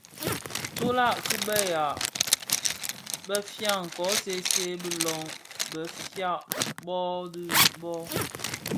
Tülag ki bëya bëfia kō see see bi lön befia bō dhi bō,